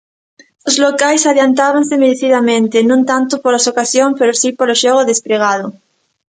Os locais adiantábanse merecidamente, non tanto polas ocasións, pero si polo xogo despregado.